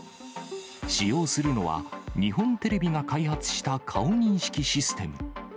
使用するのは、日本テレビが開発した顔認識システム。